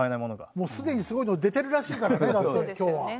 もうすでにすごいの出てるらしいからねだって今日は。